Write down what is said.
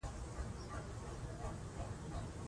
ماري کوري د نوې ماده د اغېزو پایله ثبت کړه.